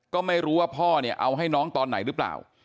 ก็ไม่รู้ว่าพ่อเนี่ยเอาให้น้องตอนไหนหรือเปล่า